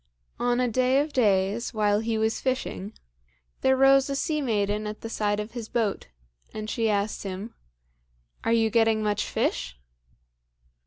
On a day of days, while he was fishing, there rose a sea maiden at the side of his boat, and she asked him, "Are you getting much fish?"